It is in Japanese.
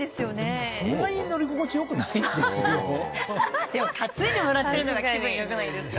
でもそんなに乗り心地よくないですよ担いでもらってるのが気分よくないですか？